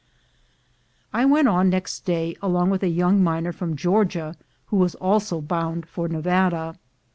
I went on next day along with a young miner from Georgia, who was also bound for Nevada.